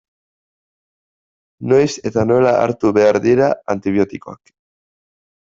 Noiz eta nola hartu behar dira antibiotikoak?